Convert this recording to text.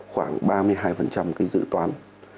khoảng ba mươi hai dự toán